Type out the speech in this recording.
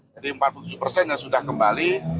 jadi empat puluh tujuh persen yang sudah kembali